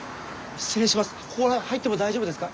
失礼します。